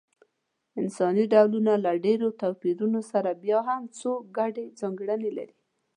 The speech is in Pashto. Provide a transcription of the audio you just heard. انساني ډولونه له ډېرو توپیرونو سره بیا هم څو ګډې ځانګړنې لري.